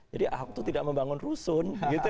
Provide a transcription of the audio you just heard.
jadi ahok itu tidak membangun rusun